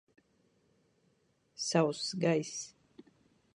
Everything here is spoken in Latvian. Sauss gaiss.